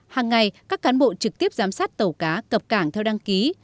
hàng ngày các cán bộ trực tiếp giám sát tàu cá cập cảng theo đăng ký